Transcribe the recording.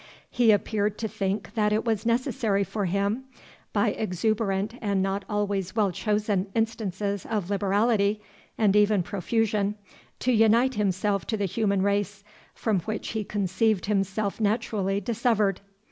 He appeared to think that it was necessary for him, by exuberant, and not always well chosen instances of liberality, and even profusion, to unite himself to the human race, from which he conceived himself naturally dissevered.